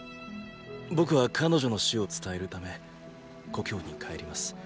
僕は彼女の死を伝えるため故郷に帰ります。